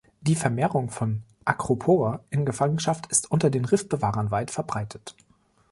Die Vermehrung von "Acropora" in Gefangenschaft ist unter den Riffbewahrern weit verbreitet.